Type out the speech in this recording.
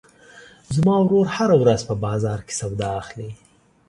زما ورور هره ورځ په بازار کې سودا اخلي.